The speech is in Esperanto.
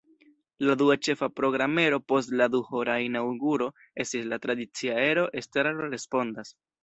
La dua ĉefa programero post la duhora inaŭguro estis la tradicia ero “Estraro respondas”.